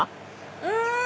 うん！